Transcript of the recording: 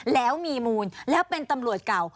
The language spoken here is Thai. แล้วมีมูลแล้วเป็นตำรวจเก่า